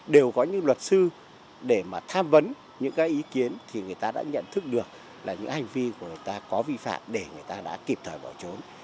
đều có những luật sư để mà tham vấn những cái ý kiến thì người ta đã nhận thức được là những hành vi của người ta có vi phạm để người ta đã kịp thời bỏ trốn